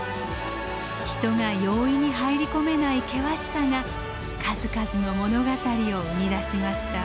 人が容易に入り込めない険しさが数々の物語を生み出しました。